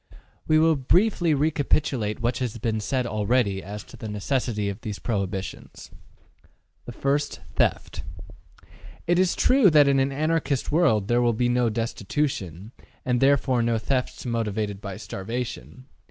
We will briefly recapitulate what has been said already as to the necessity of these prohibitions. 1. Theft. It is true that in an Anarchist world there will be no destitution, and therefore no thefts motivated by starvation.